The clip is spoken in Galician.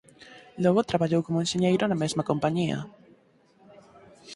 Logo traballou como enxeñeiro na mesma compañía.